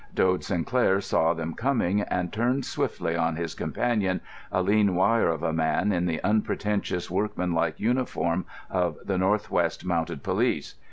Dode Sinclair saw them coming and turned swiftly on his companion, a lean wire of a man in the unpretentious, workmanlike uniform of the North West Mounted Police.